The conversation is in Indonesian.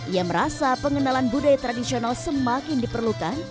ia merasa pengenalan budaya tradisional semakin diperlukan